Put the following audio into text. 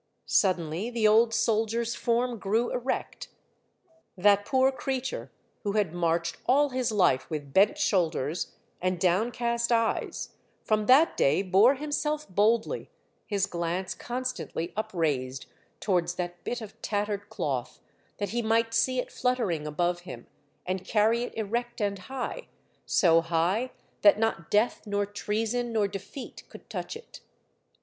Suddenly the old soldier's form grew erect. That poor creature, who had marched all his life with bent shoulders and downcast eyes, from that day bore himself boldly, his glance constantly up raised towards that bit of tattered cloth, that he might see it fluttering above him, and carry it erect and high — so high that not death, nor treason, nor defeat could touch it.